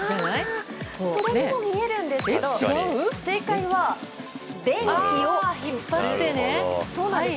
それにも見えるんですけど正解は電気を消す。